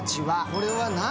これは何？